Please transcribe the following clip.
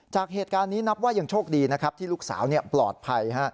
จากเหตุการณ์นี้นับว่ายังโชคดีนะครับที่ลูกสาวปลอดภัย